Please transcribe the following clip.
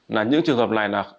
là những trường hợp này là